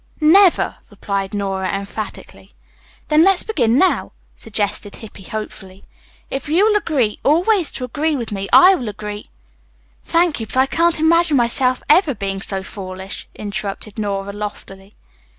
"Never," replied Nora emphatically. "Then, let's begin now," suggested Hippy hopefully. "If you will agree always to agree with me I will agree " "Thank you, but I can't imagine myself as ever being so foolish," interrupted Nora loftily.